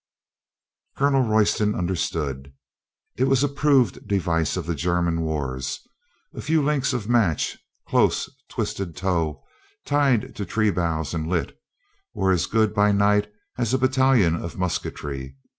Colonel Royston understood. It was a proved de vice of the German wars. A few links of match, close twisted tow, tied to tree boughs and lit, were as good by night as a battalion of musketry.